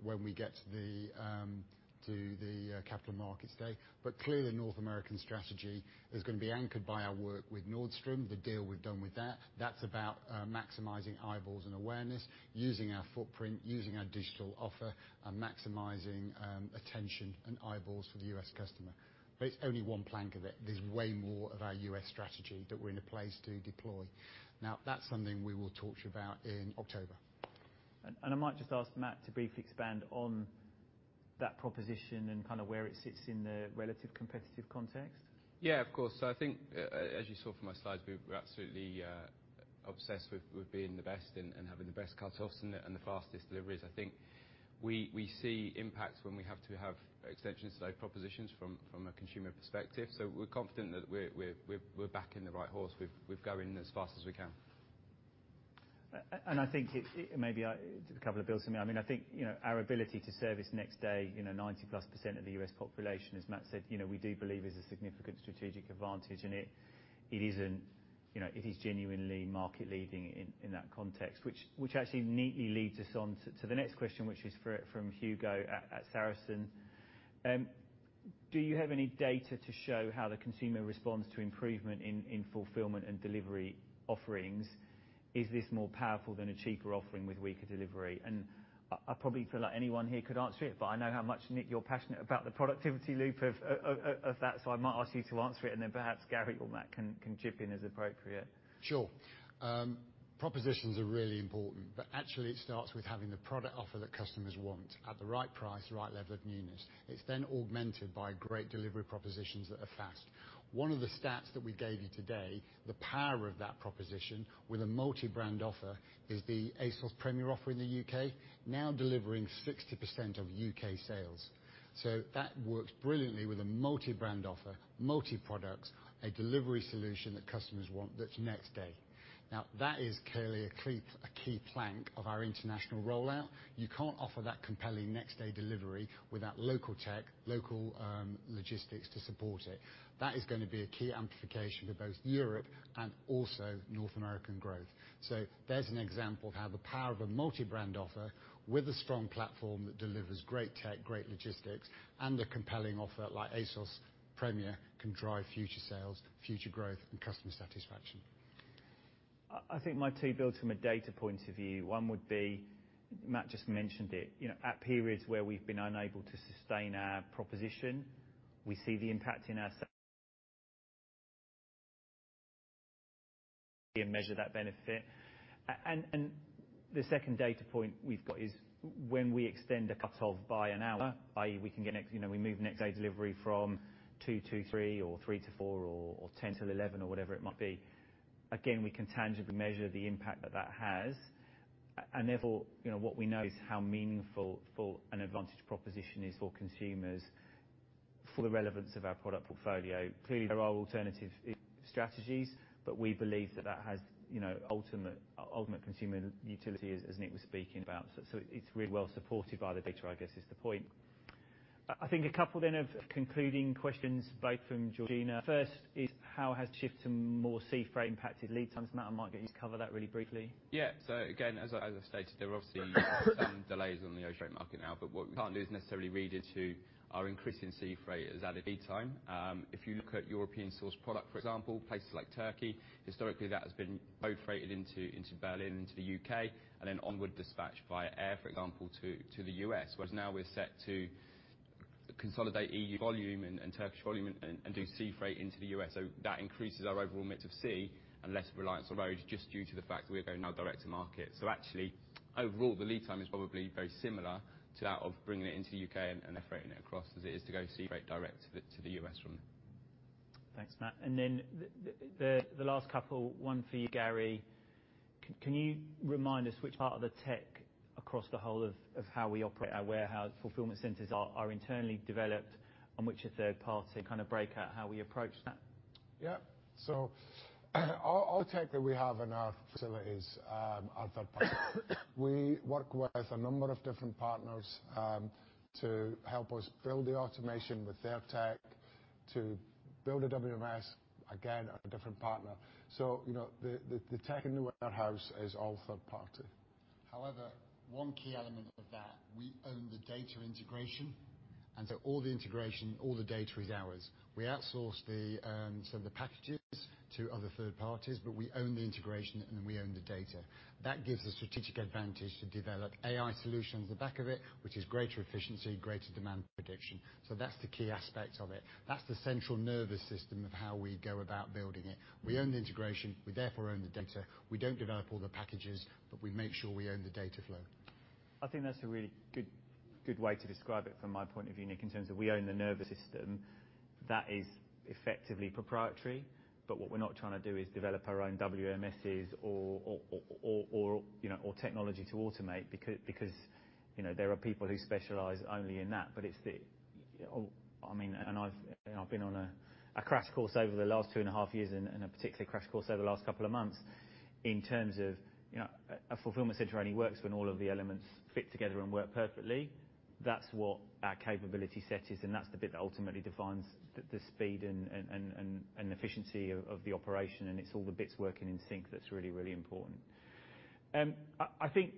Speaker 1: when we get to the Capital Markets Day. Clearly, North American strategy is going to be anchored by our work with Nordstrom, the deal we've done with that. That's about maximizing eyeballs and awareness, using our footprint, using our digital offer, and maximizing attention and eyeballs for the U.S. customer. It's only one plank of it. There's way more of our U.S. strategy that we're in a place to deploy. That's something we will talk to you about in October.
Speaker 2: I might just ask Matt to briefly expand on that proposition and where it sits in the relative competitive context.
Speaker 3: Yeah, of course. I think, as you saw from my slides, we're absolutely obsessed with being the best and having the best cut-offs and the fastest deliveries. I think we see impacts when we have to have extension today propositions from a consumer perspective. We're confident that we're backing the right horse with going as fast as we can.
Speaker 2: I think it maybe cover the bills for me. I think, our ability to service next day, 90%+ of the U.S. population, as Matt said, we do believe is a significant strategic advantage. It is genuinely market leading in that context, which actually neatly leads us on to the next question, which is from Hugo at Sarasin. Do you have any data to show how the consumer responds to improvement in fulfillment and delivery offerings? Is this more powerful than a cheaper offering with weaker delivery? I probably feel like anyone here could answer it, but I know how much, Nick, you're passionate about the productivity loop of that, so I might ask you to answer it, and then perhaps Gary or Matt can chip in as appropriate.
Speaker 1: Sure. Actually it starts with having the product offer that customers want at the right price, right level of newness. It's then augmented by great delivery propositions that are fast. One of the stats that we gave you today, the power of that proposition with a multi-brand offer is the ASOS Premier offer in the U.K., now delivering 60% of U.K. sales. That works brilliantly with a multi-brand offer, multi-products, a delivery solution that customers want that's next day. That is clearly a key plank of our international rollout. You can't offer that compelling next-day delivery without local tech, local logistics to support it. That is going to be a key amplification to both Europe and also North American growth. There's an example of how the power of a multi-brand offer with a strong platform that delivers great tech, great logistics, and a compelling offer like ASOS Premier can drive future sales, future growth, and customer satisfaction.
Speaker 2: I think my two builds from a data point of view, one would be, Matt just mentioned it. At periods where we've been unable to sustain our proposition, we see the impact in our sales and measure that benefit. The second data point we've got is when we extend a cut off by one hour, i.e., we move next day delivery from 2:00 P.M. to 3:00 P.M. or 3:00 P.M. to 4:00 P.M. or 10:00 A.M. till 11:00 A.M. or whatever it might be, again, we can tangibly measure the impact that that has. Therefore, what we know is how meaningful an advantage proposition is for consumers for the relevance of our product portfolio. Clearly, there are alternative strategies, but we believe that that has ultimate consumer utility, as Nick was speaking about. It's really well supported by the data, I guess is the point. I think a couple of concluding questions, both from Georgina. First is, how has shift to more sea freight impacted lead times? Matt, I might get you to cover that really briefly.
Speaker 3: Yeah. Again, as I stated, there are obviously some delays on the ocean freight market now, but what we can't do is necessarily read into our increase in sea freight as added lead time. If you look at European sourced product, for example, places like Turkey, historically that has been road freighted into Berlin, into the U.K., and then onward dispatch via air, for example, to the U.S. Whereas now we're set to consolidate EU volume and Turkish volume and do sea freight into the U.S. That increases our overall mix of sea and less reliance on road just due to the fact that we are going now direct to market. Actually, overall, the lead time is probably very similar to that of bringing it into the U.K. and air freighting it across, as it is to go sea freight direct to the U.S. from there.
Speaker 2: Thanks, Matt. The last couple, one for you, Gary. Can you remind us which part of the tech across the whole of how we operate our warehouse fulfillment centers are internally developed and which are third party? Kind of break out how we approach that.
Speaker 4: Yeah. All tech that we have in our facilities are third party. We work with a number of different partners, to help us build the automation with their tech to build a WMS, again, a different partner. The tech in the warehouse is all third party.
Speaker 1: One key element of that, we own the data integration, all the integration, all the data is ours. We outsource the packages to other third parties, we own the integration, we own the data. That gives a strategic advantage to develop AI solutions the back of it, which is greater efficiency, greater demand prediction. That's the key aspect of it. That's the central nervous system of how we go about building it. We own the integration, we therefore own the data. We don't develop all the packages, we make sure we own the data flow.
Speaker 2: I think that's a really good way to describe it from my point of view, Nick, in terms of we own the nervous system. That is effectively proprietary, but what we're not trying to do is develop our own WMSs or technology to automate because there are people who specialize only in that. I've been on a crash course over the last two and a half years and a particular crash course over the last couple of months in terms of a fulfillment center only works when all of the elements fit together and work perfectly. That's what our capability set is and that's the bit that ultimately defines the speed and efficiency of the operation. It's all the bits working in sync that's really important. I think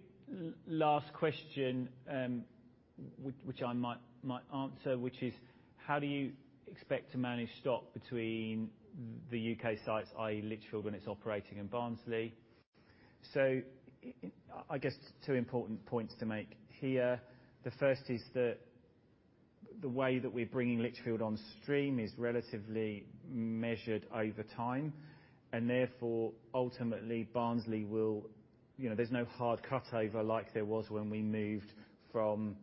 Speaker 2: last question, which I might answer, which is how do you expect to manage stock between the U.K. sites, i.e. Lichfield when it's operating in Barnsley? I guess two important points to make here. The first is that the way that we're bringing Lichfield on stream is relatively measured over time and therefore ultimately Barnsley will there's no hard cutover like there was when we moved from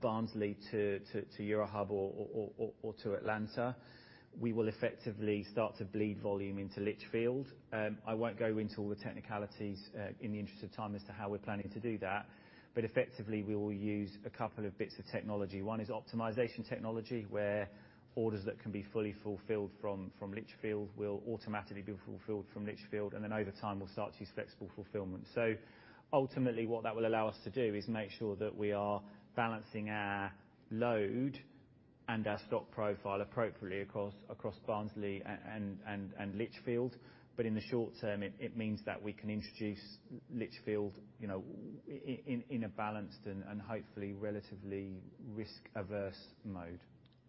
Speaker 2: Barnsley to Eurohub or to Atlanta. We will effectively start to bleed volume into Lichfield. I won't go into all the technicalities in the interest of time as to how we're planning to do that. Effectively we will use two bits of technology. One is optimization technology where orders that can be fully fulfilled from Lichfield will automatically be fulfilled from Lichfield and then over time we'll start to use flexible fulfillment. Ultimately what that will allow us to do is make sure that we are balancing our load and our stock profile appropriately across Barnsley and Lichfield. In the short term it means that we can introduce Lichfield in a balanced and hopefully relatively risk averse mode.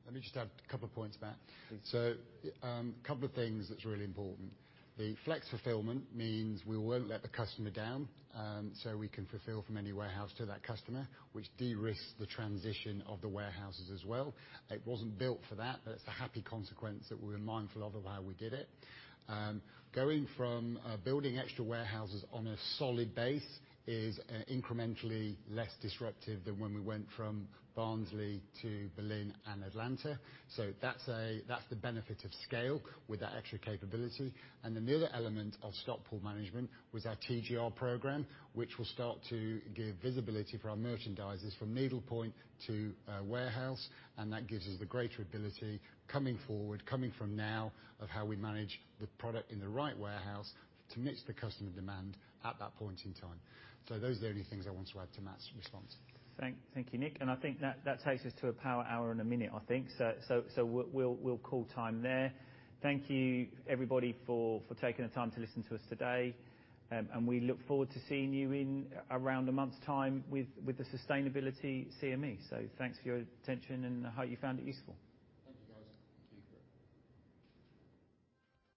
Speaker 1: Let me just add a couple of points to that.
Speaker 2: Please.
Speaker 1: Couple of things that's really important. The flex fulfillment means we won't let the customer down. We can fulfill from any warehouse to that customer, which de-risks the transition of the warehouses as well. It wasn't built for that, but it's a happy consequence that we were mindful of how we did it. Going from building extra warehouses on a solid base is incrementally less disruptive than when we went from Barnsley to Berlin and Atlanta. That's the benefit of scale with that extra capability. The other element of stock pool management was our TGR program, which will start to give visibility for our merchandisers from needle point to warehouse, and that gives us the greater ability coming forward, coming from now of how we manage the product in the right warehouse to mix the customer demand at that point in time. Those are the only things I wanted to add to Matt's response.
Speaker 2: Thank you, Nick. I think that takes us to a power hour and a minute, I think so, we'll call time there. Thank you everybody for taking the time to listen to us today, and we look forward to seeing you in around a month's time with the Sustainability CME. Thanks for your attention and I hope you found it useful.
Speaker 1: Thank you, guys.
Speaker 2: Thank you.